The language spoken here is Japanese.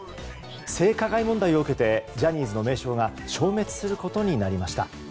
性加害問題を受けてジャニーズの名称が消滅することになりました。